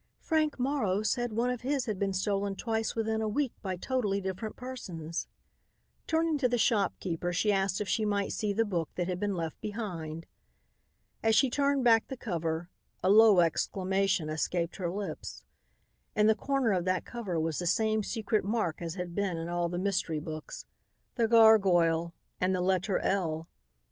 Frank Morrow said one of his had been stolen twice within a week by totally different persons." Turning to the shopkeeper, she asked if she might see the book that had been left behind. As she turned back the cover a low exclamation escaped her lips. In the corner of that cover was the same secret mark as had been in all the mystery books, the gargoyle and the letter L.